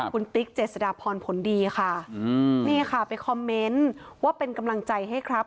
คุณติ๊กเจษฎาพรผลดีค่ะนี่ค่ะไปคอมเมนต์ว่าเป็นกำลังใจให้ครับ